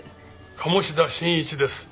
鴨志田新一です。